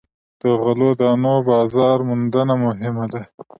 د غلو دانو بازار موندنه مهمه ده.